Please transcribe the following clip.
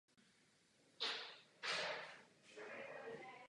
Věnoval se současně zápasení v judu a sambu.